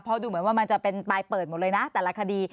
เพราะดูเหมือนว่ามันจะเป็นปลายเปิดหมดเลยนะแต่ละคดี